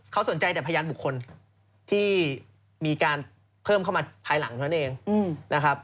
เขาสนใจแต่พยานบุคคลที่มีการเพิ่มเข้ามาภายหลังเท่านั้นเองนะครับ